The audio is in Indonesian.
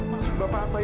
maksud bapak apa